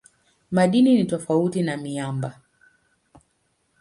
Madini ni tofauti na miamba.